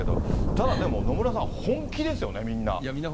ただでも野村さん、本気ですよね、みんな。